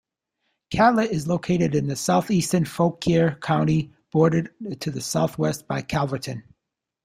Catlett is located in southeastern Fauquier County, bordered to the southwest by Calverton.